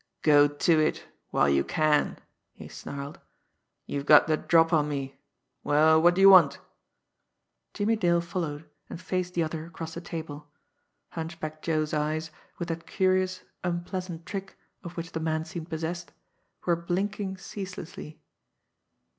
"Go to it while you can!" he snarled. "You've got the drop on me. Well, what do you want?" Jimmie Dale followed, and faced the other across the table. Hunchback Joe's eyes, with that curious, unpleasant trick of which the man seemed possessed, were blinking ceaselessly.